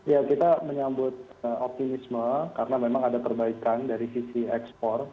ya kita menyambut optimisme karena memang ada perbaikan dari sisi ekspor